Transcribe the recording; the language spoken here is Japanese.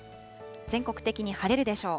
全国的に晴れるでしょう。